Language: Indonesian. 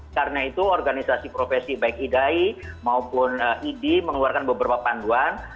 karena itu organisasi profesi baik idai maupun idi mengeluarkan beberapa panduan